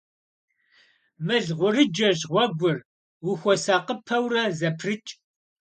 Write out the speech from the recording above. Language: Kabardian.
Мыл гъурыджэщ гъуэгур, ухуэсакъыпэурэ зэпрыкӏ.